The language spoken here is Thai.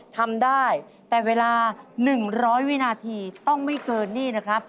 ทำได้แต่เวลา๑๐๐วินาทีต้องไม่เกินนี่นะครับ